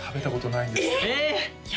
いや